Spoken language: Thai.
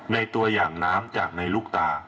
ตัวอย่างน้ำจากในลูกตา